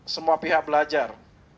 semua pihak belajar